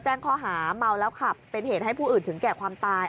แจ้งข้อหาเมาแล้วขับเป็นเหตุให้ผู้อื่นถึงแก่ความตาย